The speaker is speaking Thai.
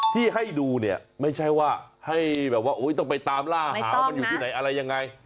ที่ให้ดูเนี่ยไม่ใช่ว่าให้แบบว่าต้องไปตามล่าหาว่ามันอยู่ที่ไหนอะไรยังไง